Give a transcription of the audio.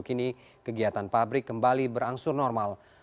kini kegiatan pabrik kembali berangsur normal